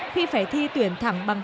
khi phải thi tuyển thẳng bằng hai môn